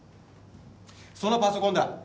そのパソコンだ。